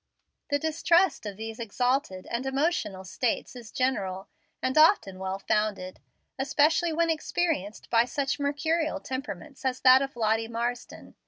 The distrust of these exalted and emotional states is general, and often well founded, especially when experienced by such mercurial temperaments as that of Lottie Marsden.